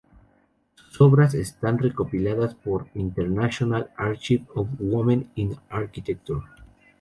Sus obras están recopiladas por International Archive of Women in Architecture.